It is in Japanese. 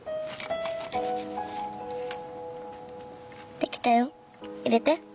できたよ。入れて。